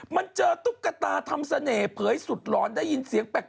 มันเจอตุ๊กตาทำเสน่ห์เผยสุดหลอนได้ยินเสียงแปลก